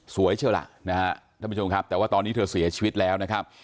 เชียวล่ะนะฮะท่านผู้ชมครับแต่ว่าตอนนี้เธอเสียชีวิตแล้วนะครับ